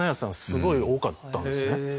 すごい多かったんですね。